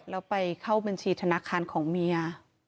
แล้วไปเข้าบัญชีธนาคารของเมีย